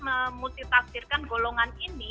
memultitafsirkan golongan ini